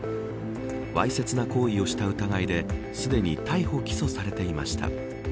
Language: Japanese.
わいせつな行為をした疑いですでに逮捕起訴されていました。